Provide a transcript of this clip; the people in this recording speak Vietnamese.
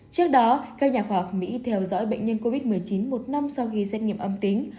trước đó các nhà khoa học mỹ theo dõi bệnh nhân covid một mươi chín một năm sau khi xét nghiệm âm tính